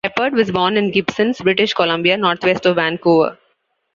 Sheppard was born in Gibsons, British Columbia, northwest of Vancouver.